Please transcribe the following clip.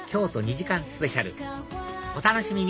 お楽しみに！